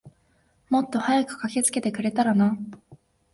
もっと早く駆けつけてくれたらな。